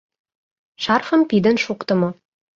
Шарфым пидын шуктымо.